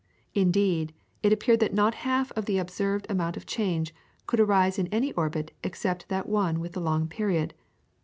Indeed, it appeared that not half the observed amount of change could arise in any orbit except in that one with the long period.